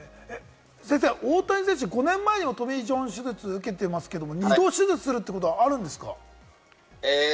大谷選手、５年前にもトミー・ジョン手術、受けてますけれども、２度手術することはあるんですか？